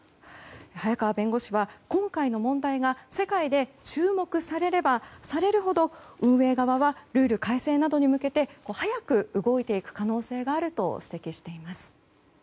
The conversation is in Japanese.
早川弁護士は今回の問題が世界で注目されればされるほど運営側はルール改正などに向けて早く動いていく可能性があると指摘しています。